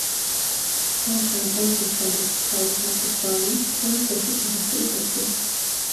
სწორედ, ამიტომ გებჟალიას მთავარი დატვირთვაა ის, რომ რძეში ჩახარშული კერძია.